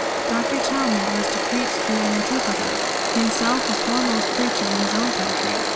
Dr. Talmage was to preach through an interpreter, himself a foremost preacher in his own country.